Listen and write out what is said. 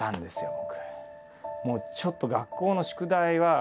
僕。